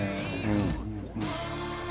うん。